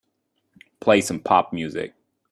Play some pop music.